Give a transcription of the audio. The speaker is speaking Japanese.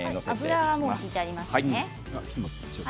油も引いてありますね。